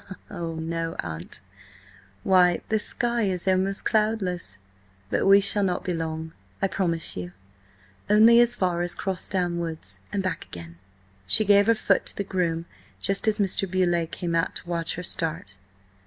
"Oh, no, aunt! Why, the sky is almost cloudless! But we shall not be long, I promise you. Only as far as Crossdown Woods and back again." She gave her foot to the groom just as Mr. Beauleigh came out to watch her start.